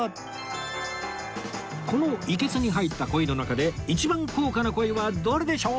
このいけすに入った鯉の中で一番高価な鯉はどれでしょう？